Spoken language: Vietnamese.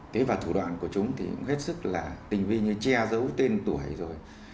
thế và thủ đoạn của chúng thì hết sức là tình vi như che dấu tên tuổi rồi